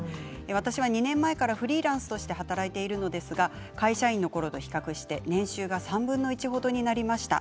私は２年前からフリーランスとして働いているのですが会社員のころと比較して年収が３分の１程になりました。